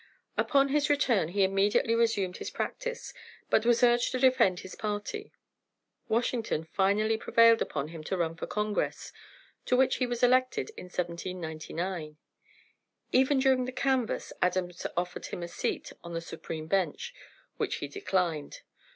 Upon his return he immediately resumed his practice, but was urged to defend his party. Washington finally prevailed upon him to run for Congress, to which he was elected in 1799. Even during the canvass Adams offered him a seat on the Supreme Bench, which he declined.